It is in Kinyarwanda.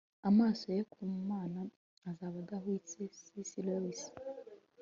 amaso ye ku mana azaba adahwitse - c s lewis